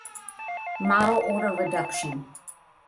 Model order reduction